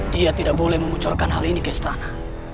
dia tidak boleh memunculkan hal ini ke istana